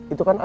ada apa pak